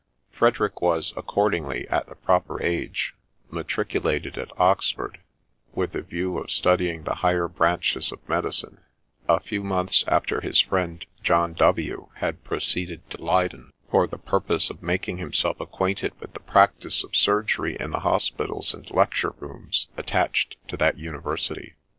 Frederick was, accordingly, at the proper age, matriculated at Oxford, with the view of studying the higher branches of medicine, a few months after his friend, John W , had proceeded to Leyden, for the purpose of making himself acquainted with the practice of surgery in the hospitals and lecture rooms attached to that university.